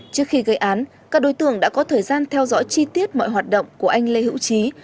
trước khi gây án các đối tượng đã có thời gian theo dõi chi tiết mọi hoạt động của anh lê hữu trí